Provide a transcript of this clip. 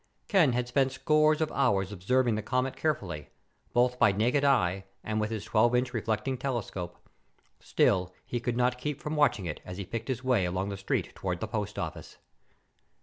Ken had spent scores of hours observing the comet carefully, both by naked eye and with his 12 inch reflecting telescope. Still he could not keep from watching it as he picked his way along the street toward the post office.